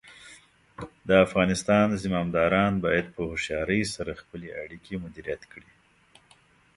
د افغانستان زمامداران باید په هوښیارۍ سره خپلې اړیکې مدیریت کړي.